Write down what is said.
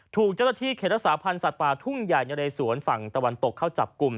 ถูกเจ้าหน้าที่เขตรักษาพันธ์สัตว์ป่าทุ่งใหญ่นะเรสวนฝั่งตะวันตกเข้าจับกลุ่ม